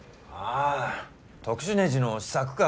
ああ特殊ねじの試作か。